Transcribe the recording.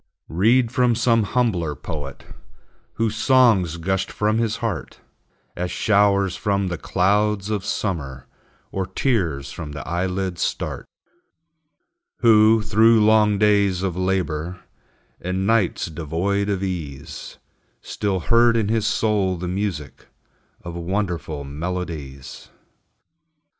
Read from some humbler poet, Whose songs gushed from his heart, As showers from the clouds of summer, Or tears from the eyelids start; Who, through long days of labor, And nights devoid of ease, Still heard in his soul the music Of wonderful melodies.